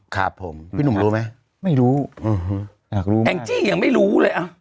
ครับผมพี่หนุ่มรู้ไหมไม่รู้อืมอยากรู้แองจี้ยังไม่รู้เลยอ่ะ